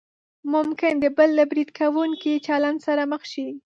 ممکن د بل له برید کوونکي چلند سره مخ شئ.